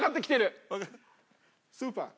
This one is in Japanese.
スーパー。